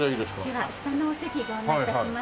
では下のお席ご案内致します。